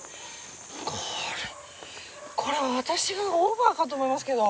これこれ私がオーバーかと思いますけど。